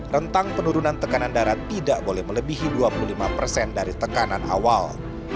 rentang penurunan tekanan darat tidak boleh melebihi dua puluh lima persen dari tekanan awal